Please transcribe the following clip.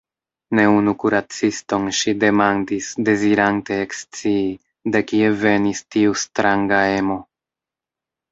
Ne unu kuraciston ŝi demandis dezirante ekscii, de kie venis tiu stranga emo.